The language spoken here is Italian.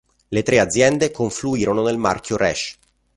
Le tre aziende confluirono nel marchio Resch.